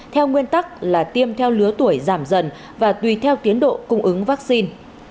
theo nguyên tắc là tiêm theo lứa tuổi giảm dần và tùy theo tiến độ cung ứng vaccine